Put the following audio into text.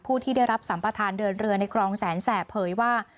ที่ได้รับสัมประธานเดินเรือในคลองแสนแสบเผยว่า